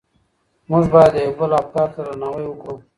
موږ بايد د يو بل افکارو ته درناوی وکړو.